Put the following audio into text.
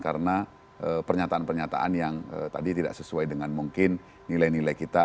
karena pernyataan pernyataan yang tadi tidak sesuai dengan mungkin nilai nilai kita